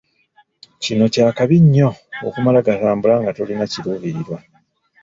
Kino kya kabi nnyo okumala gatambula nga tolina kiluubirirwa.